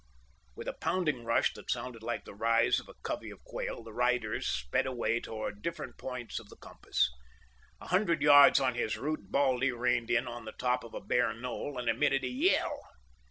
With a pounding rush that sounded like the rise of a covey of quail, the riders sped away toward different points of the compass. A hundred yards on his route Baldy reined in on the top of a bare knoll, and emitted a yell.